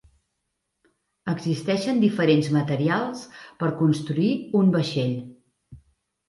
Existeixen diferents materials per construir un vaixell.